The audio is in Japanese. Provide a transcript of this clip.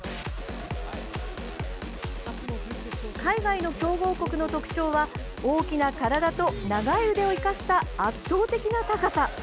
海外の強豪国の特徴は大きな体と長い腕を生かした圧倒的な高さ。